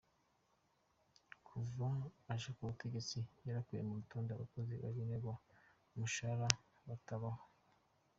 Kuva aja ku butegetsi, yarakuye ku ntonde abakozi bagenegwa umushahara batabaho.